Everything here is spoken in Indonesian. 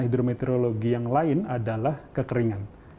hidrometeorologi yang lain adalah kekeringan